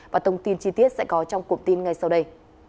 và thông tin chi tiết sẽ có trong cụm tin ngay sau đây